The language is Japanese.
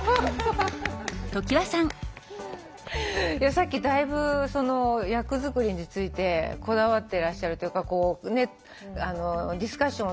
さっきだいぶ役作りについてこだわってらっしゃるというかディスカッション